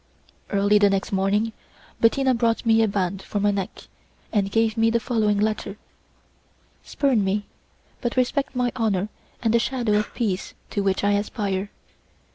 Early the next morning, Bettina brought me a band for my neck, and gave me the following letter: "Spurn me, but respect my honour and the shadow of peace to which I aspire.